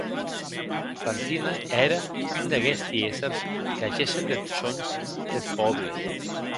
Fantina ère un d’aguesti èssers que gessen deth hons deth pòble.